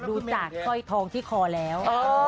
ดูจากสร้อยทองที่คอแล้ว